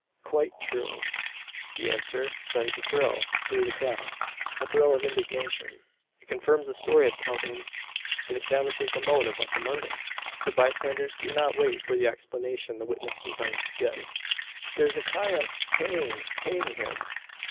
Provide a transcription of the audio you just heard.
"Quite true." The answer sends a thrill through the crowd a thrill of indignation. It confirms the story of Calhoun. It establishes the motive of the murder! The bystanders do not wait for the explanation the witness designs to give. There is a cry of "Hang hang him!"